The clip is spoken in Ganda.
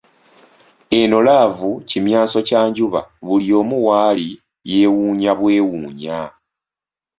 Eno laavu kimyanso kya njuba buli omu waali yeewuunya bwewuunya.